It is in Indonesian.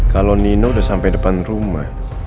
kalau nino udah sampai depan rumah